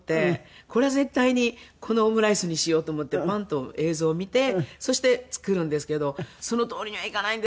これは絶対にこのオムライスにしようと思ってバン！と映像を見てそして作るんですけどそのとおりにはいかないんです味が。